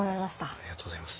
ありがとうございます。